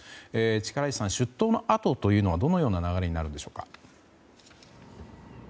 力石さん、出頭のあとというのはどんな流れになるんでしょうか。